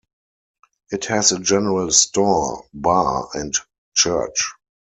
It has a general store, bar and church.